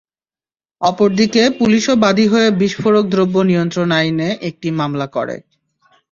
অপর দিকে পুলিশও বাদী হয়ে বিস্ফোরক দ্রব্য নিয়ন্ত্রণ আইনে একটি মামলা করে।